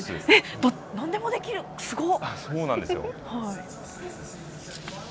なんでもできる、すごい。